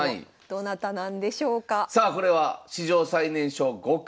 どなたなんでしょうか？